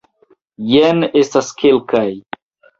Jen estas kelkaj.